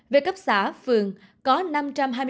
về cấp xã phường có năm trăm hai mươi ba địa phương